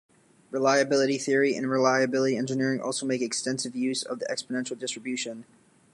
Reliability theory and reliability engineering also make extensive use of the exponential distribution.